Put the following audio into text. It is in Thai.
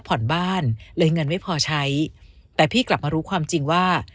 ผ่อนบ้านเลยเงินไม่พอใช้แต่พี่กลับมารู้ความจริงว่า